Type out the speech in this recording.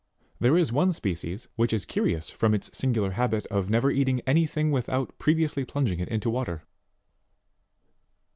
There is one species which is curious from its singular habit of never eating anything without previously plunging it into water.